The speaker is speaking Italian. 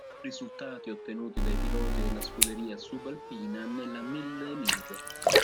Risultati ottenuti dai piloti della Scuderia Subalpina nella Mille Miglia.